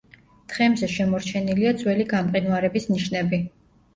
თხემზე შემორჩენილია ძველი გამყინვარების ნიშნები.